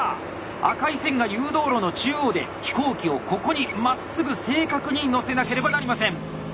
赤い線が誘導路の中央で飛行機をここにまっすぐ正確に乗せなければなりません。